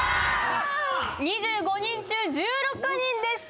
２５人中１６人でした。